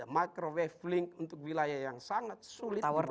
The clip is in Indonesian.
microwave link untuk wilayah yang sangat sulit di bangun